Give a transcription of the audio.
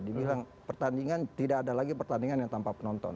dibilang pertandingan tidak ada lagi pertandingan yang tanpa penonton